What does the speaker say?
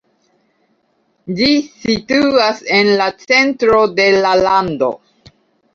Ĝi situas en la centro de la lando.